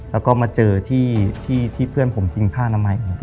แล้วก็มาเจอที่เพื่อนผมทิ้งผ้านามัย